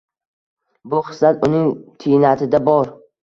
Bu xislat uning tiynatida bor.